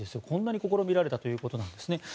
こんなに試みられたということです。